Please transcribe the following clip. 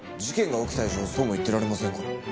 事件が起きた以上そうも言ってられませんから。